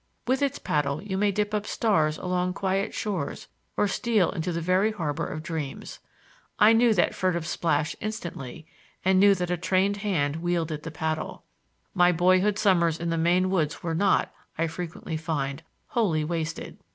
With its paddle you may dip up stars along quiet shores or steal into the very harbor of dreams. I knew that furtive splash instantly, and knew that a trained hand wielded the paddle. My boyhood summers in the Maine woods were not, I frequently find, wholly wasted.